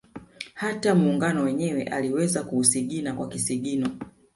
Hata Muungano wenyewe aliweza kuusigina kwa kisigino